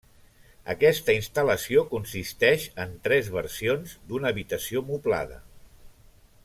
Aquesta instal·lació consisteix en tres versions d'una habitació moblada.